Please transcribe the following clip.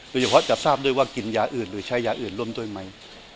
โดยเฉพาะจะทราบด้วยว่ากินยาอื่นหรือใช้ยาอื่นร่วมด้วยไหม